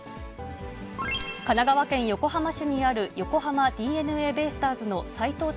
神奈川県横浜市にある横浜ＤｅＮＡベイスターズの斎藤隆